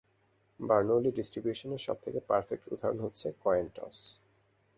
Bernoulli distribution এর সবথেকে perfect উদাহরন হচ্ছে কয়েন টস।